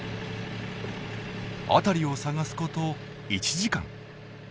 辺りを探すこと１時間。